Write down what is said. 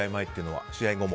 試合後も。